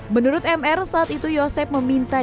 menurut mr saat itu yosef meminta diberi penyelamatkan